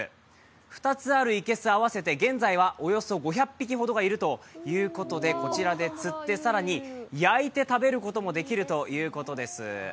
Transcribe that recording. ２つある、いけす合わせて現在は５００匹ほどいるということで、こちらで釣って、更に焼いて食べることもできるということです。